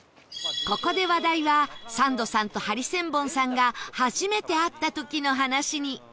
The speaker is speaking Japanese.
ここで話題はサンドさんとハリセンボンさんが初めて会った時の話に